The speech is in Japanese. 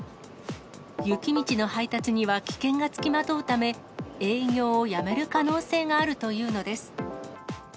雪道の配達には危険が付きまとうため、営業をやめる可能性があるというのです。